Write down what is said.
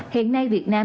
hiện nay việt nam